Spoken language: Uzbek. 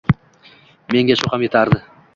Menga shu ham yetardi.